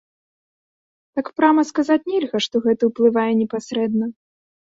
Так прама сказаць нельга, што гэта ўплывае непасрэдна.